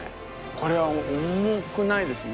これは重くないですね。